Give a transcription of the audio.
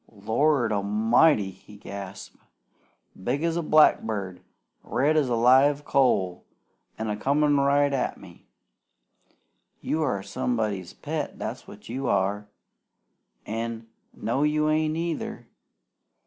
"Lord A'mighty!" he gasped. "Big as a blackbird, red as a live coal, an' a comin' right at me. You are somebody's pet, that's what you are! An' no, you ain't either.